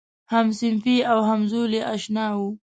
همصنفي او همزولی آشنا و.